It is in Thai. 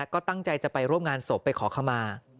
ก็ตั้งใจจะไปร่วมงานศพไปขอขมา